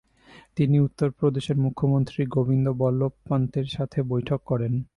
তিনি উত্তরপ্রদেশের মুখ্যমন্ত্রী গোবিন্দ বল্লভ পান্তের সাথে বৈঠক করেন।